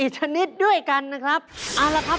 ๔ชนิดด้วยกันนะครับ